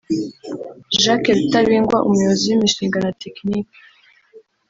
Jacques Rutabingwa Umuyobozi w’Imishinga na Tekiniki